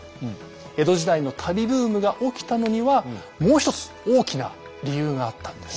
江戸時代の旅ブームが起きたのにはもう一つ大きな理由があったんです。